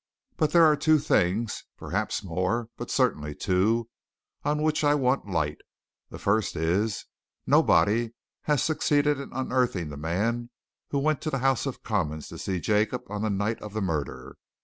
But there are two things perhaps more, but certainly two on which I want light. The first is nobody has succeeded in unearthing the man who went to the House of Commons to see Jacob on the night of the murder.